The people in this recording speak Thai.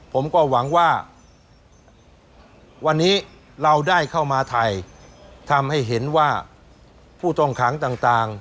ผมก็หวังว่าวันนี้เราได้เข้ามาไทยทำให้เห็นว่าผู้ต้องขังต่าง